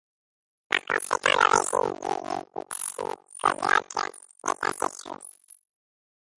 Par conséquent l'origine du psicobloc est assez floue.